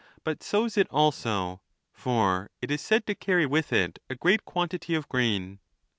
but sows it also; for it is said to carry with it a great quantity of grain.